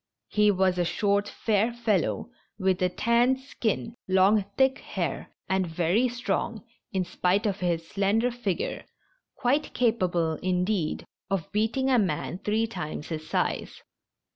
He was a short, fair fellow, with a tanned skin, long thick hair, and very strong, in spite of his slender figure — quite capable, indeed, of beating a man three times his size.